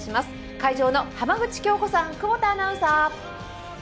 会場の浜口京子さん久保田アナウンサー。